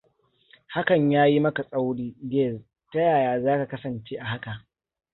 Hakan ya yi maka tsauri, Geez. Ta yaya za ka kasance a haka?